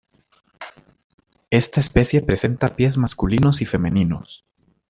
Esta especie presenta pies masculinos y femeninos.